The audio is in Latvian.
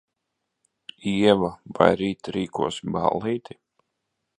Ieva, vai rīt rīkosi ballīti?